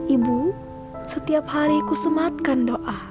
ibu setiap hari ku sematkan doa